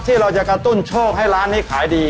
ที่เราจะกระตุ้นโชคให้ร้านนี้ขายดี